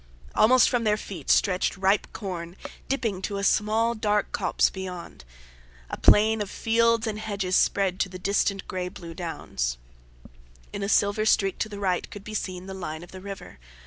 Almost from their feet stretched ripe corn, dipping to a small dark copse beyond. A plain of fields and hedges spread to the distant grey bluedowns. In a silver streak to the right could be seen the line of the river.